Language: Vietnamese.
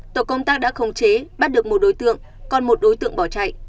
tổ công tác đã khống chế bắt được một đối tượng còn một đối tượng bỏ chạy